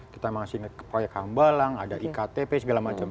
kita masih ngeproyek kambalang ada iktp segala macam